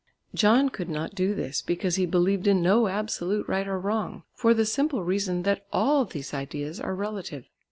John could not do this, because he believed in no absolute right or wrong, for the simple reason that all these ideas are relative.